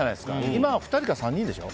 今は２人か３人でしょ。